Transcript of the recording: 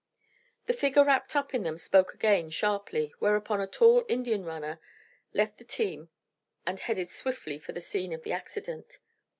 The figure wrapped up in them spoke again sharply, whereupon a tall Indian runner left the team and headed swiftly for the scene of the accident.